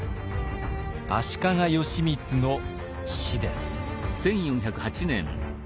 足利義満の死です。